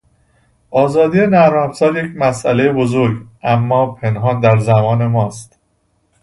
آزادی نرمافزار یک مساله بزرگ اما پنهان در زمان ماست.